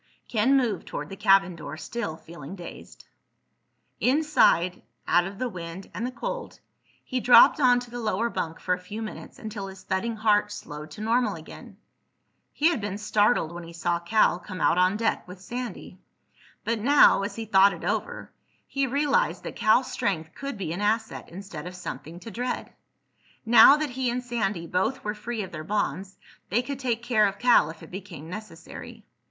Ken moved toward the cabin door, still feeling dazed. Inside, out of the wind and the cold, he dropped onto the lower bunk for a few minutes until his thudding heart slowed to normal again. He had been startled when he saw Cal come out on deck with Sandy, but now—as he thought it over—he realized that Cal's strength could be an asset instead of something to dread. Now that he and Sandy both were free of their bonds they could take care of Cal if it became necessary.